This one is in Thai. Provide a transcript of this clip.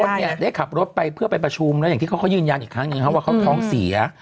ตอนนี้ได้ขับรถไปเพื่อไปประชุมนะอย่างที่เขาเค้ายืนยังอีกครั้งอย่างนี้เค้าค้อนท้องเสีย